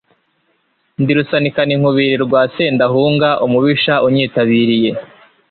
Ndi Rusalikaninkubili rwa Sendahunga, Umubisha unyitabiriye